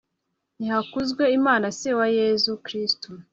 nihakuzwe imana se wa yezu kristu